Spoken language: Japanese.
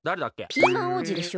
ピーマン王子でしょ。